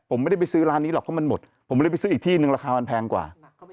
ผมไม่ได้ไปซื้อร้านนี้หรอกเพราะมันหมดผมเลยไปซื้ออีกที่นึงราคามันแพงกว่า